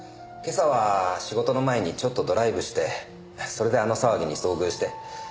今朝は仕事の前にちょっとドライブしてそれであの騒ぎに遭遇して。